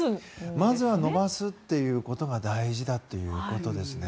まずは伸ばすことが大事だということですね。